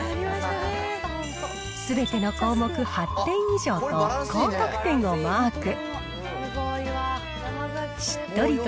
すべての項目８点以上と高得点をマーク。